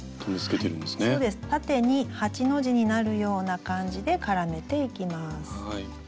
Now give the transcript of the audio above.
縦に８の字になるような感じで絡めていきます。